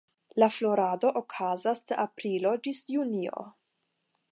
La florado okazas de aprilo ĝis junio.